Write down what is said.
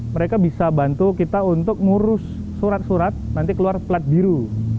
mereka bisa bantu kita untuk ngurus surat surat nanti keluar plat biru